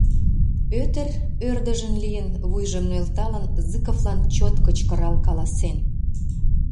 Пӧтыр, ӧрдыжын лийын, вуйжым нӧлталын, Зыковлан чот кычкырал каласен: